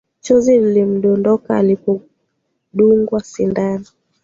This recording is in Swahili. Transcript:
Chozi lilimdondoka alipodungwa sindano